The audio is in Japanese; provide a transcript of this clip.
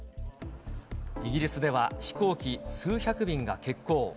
イギリスでは飛行機数百便が欠航。